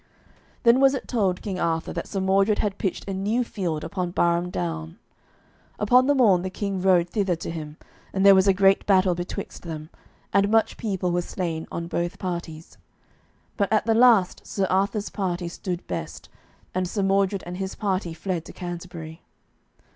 Then was it told King Arthur that Sir Mordred had pitched a new field upon Barham Down. Upon the morn the King rode thither to him, and there was a great battle betwixt them, and much people were slain on both parties. But at the last Sir Arthur's party stood best, and Sir Mordred and his party fled to Canterbury.